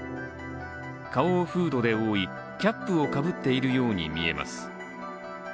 顔をフードで覆い、キャップをかぶっているように見えます。